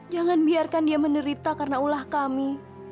jangan biarkan dia menderita karena ulah kami